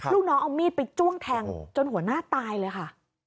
ลูกน้องเอามีดไปจ้วงแทงจนหัวหน้าตายเลยค่ะ